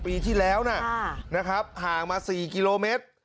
ปีที่แล้วน่ะฮะนะครับห่างมาสี่กิโลเมตร